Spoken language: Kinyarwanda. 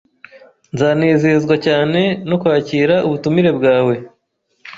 Nzanezezwa cyane no kwakira ubutumire bwawe